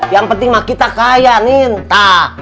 yang penting mah kita kaya nihnta